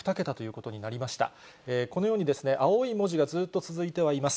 このように青い文字がずっと続いてはいます。